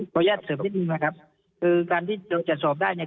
อนุญาตเสริมนิดนึงนะครับคือการที่จะสอบได้เนี่ย